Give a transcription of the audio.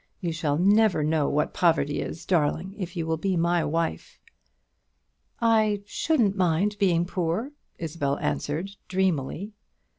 You shall never know what poverty is, darling, if you will be my wife." "I shouldn't mind being poor," Isabel answered, dreamily.